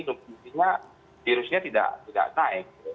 mungkin virusnya tidak naik